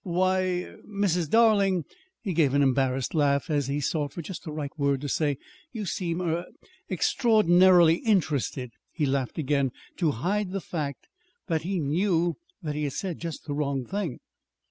"Why, er Mrs. Darling!" He gave an embarrassed laugh as he sought for just the right word to say. "You seem er extraordinarily interested." He laughed again to hide the fact that he knew that he had said just the wrong thing.